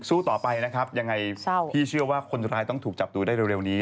สู้ต่อไปนะครับยังไงพี่เชื่อว่าคนร้ายต้องถูกจับตัวได้เร็วนี้